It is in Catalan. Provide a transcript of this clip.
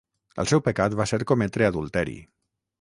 El seu pecat va ser cometre adulteri.